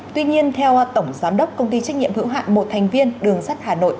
tuy nhiên theo tổng giám đốc công ty trách nhiệm hữu hạn một thành viên đường sắt hà nội